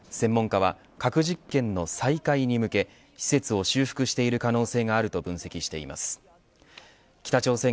専門家は核実験の再開に向け施設を修復している可能性があると分析しています。